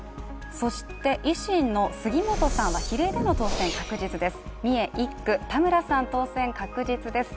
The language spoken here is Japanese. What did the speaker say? そして維新の杉本さんは比例での当選確実です。